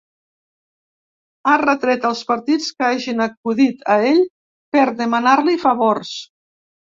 Ha retret als partits que hagin acudit a ell per demanar-li favors.